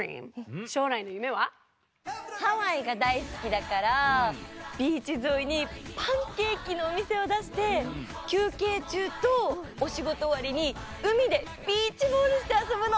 ハワイがだいすきだからビーチぞいにパンケーキのおみせをだしてきゅうけいちゅうとおしごとおわりにうみでビーチボールしてあそぶの！